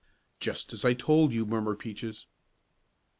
"Just as I told you," murmured Peaches.